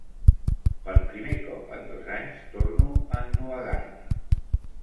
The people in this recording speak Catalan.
Per primer cop en dos anys torno a ennuegar-me.